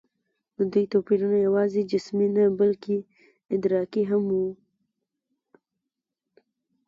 د دوی توپیرونه یواځې جسمي نه، بلکې ادراکي هم وو.